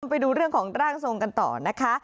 ไปดูเรื่องของร่างทรงกันต่อนะคะ